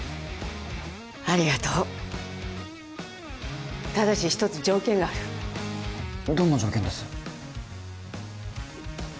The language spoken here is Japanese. ありがとうただし一つ条件があるどんな条件です？